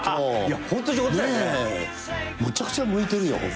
むちゃくちゃ向いてるよ。